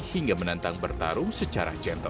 hingga menantang bertarung secara gentle